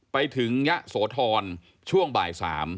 ไปถึงยะโสธรช่วงบ่าย๓